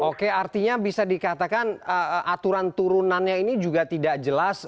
oke artinya bisa dikatakan aturan turunannya ini juga tidak jelas